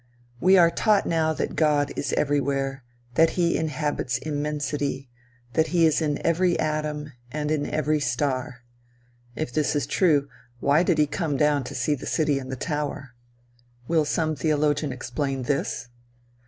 We are taught now that God is everywhere; that he inhabits immensity; that he is in every atom, and in every star. If this is true, why did he "come down to see the city and the tower?" Will some theologian explain this?